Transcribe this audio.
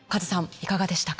いかがでしたか？